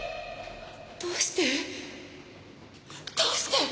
どうしてどうして！？